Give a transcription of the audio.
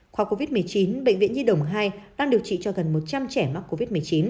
khoa covid một mươi chín bệnh viện nhi đồng hai đang điều trị cho gần một trăm linh trẻ mắc covid một mươi chín